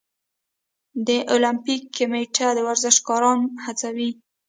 د المپیک کمیټه ورزشکاران هڅوي؟